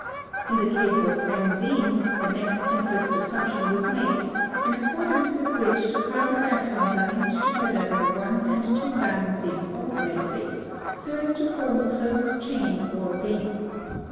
In the case of benzene, the next simplest assumption was made, in accordance with which the carbon atoms are linked together by one and two valencies alternately, so as to form a closed chain or ring.